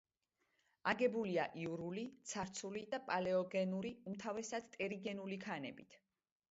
აგებულია იურული, ცარცული და პალეოგენური, უმთავრესად ტერიგენული ქანებით.